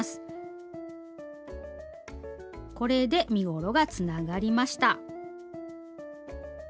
これで身ごろがつながりました。